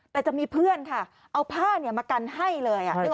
แต่จะมีเพื่อนค่ะเอาผ้ามากันให้เลย